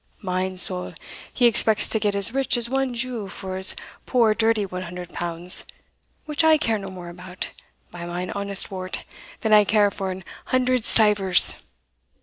Mine soul! he expects to get as rich as one Jew for his poor dirty one hundred pounds, which I care no more about, by mine honest wort, than I care for an hundred stivers.